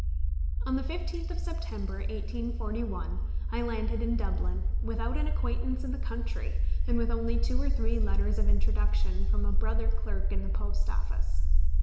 On the 15th of September, 1841, I landed in Dublin, without an acquaintance in the country, and with only two or three letters of introduction from a brother clerk in the Post Office.